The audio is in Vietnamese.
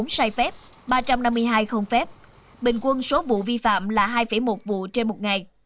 hai trăm bốn mươi bốn sai phép ba trăm năm mươi hai không phép bình quân số vụ vi phạm là hai một vụ trên một ngày